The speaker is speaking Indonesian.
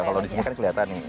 kalau di sini kan kelihatan nih